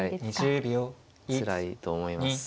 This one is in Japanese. つらいと思います。